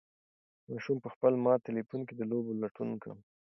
ماشوم په خپل مات تلیفون کې د لوبو لټون کاوه.